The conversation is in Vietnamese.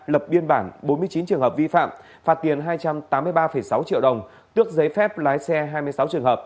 lập biên bản bốn mươi chín trường hợp vi phạm phạt tiền hai trăm tám mươi ba sáu triệu đồng tước giấy phép lái xe hai mươi sáu trường hợp